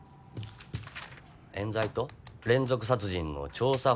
えん罪と連続殺人の調査